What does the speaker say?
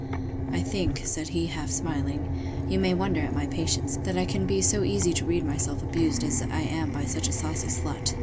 I think, said he, half smiling, you may wonder at my patience, that I can be so easy to read myself abused as I am by such a saucy slut.